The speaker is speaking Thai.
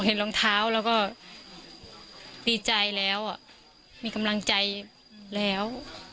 เห็นรองเท้าแล้วก็ดีใจแล้วมีกำลังใจแล้ว